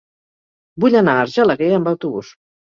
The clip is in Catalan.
Vull anar a Argelaguer amb autobús.